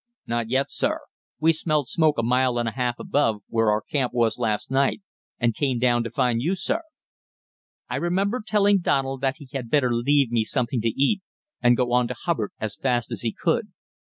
"Not yet, sir. We smelled smoke a mile and a half above, where our camp was last night, an' came down to find you, sir." I remember telling Donald that he had better leave me something to eat, and go on to Hubbard as fast as he could.